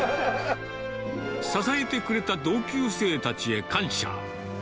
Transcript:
支えてくれた同級生たちへ感謝。